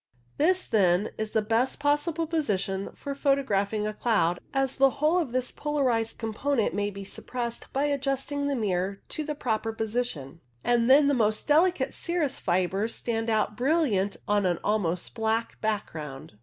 This, then, is the best possible position for photographing a cloud, as the whole of this polarized component may be suppressed by adjusting the mirror to the proper position, and then the most delicate cirrus fibres stand out brilliant on an almost black background.